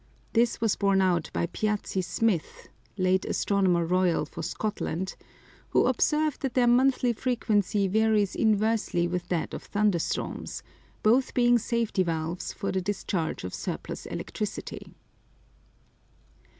This was borne out by Piazzi Smith (late Astronomer Royal for Scotland), who observed that their monthly frequency varies inversely with that of thunder storms both being safety valves for the discharge of surplus electricity.